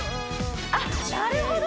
あっなるほど！